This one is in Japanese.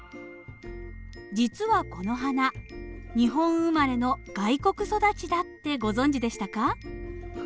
実はこの花日本生まれの外国育ちだってご存じでしたか？